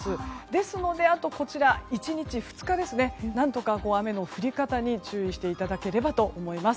ですので１日、２日何とか雨の降り方に注意していただければと思います。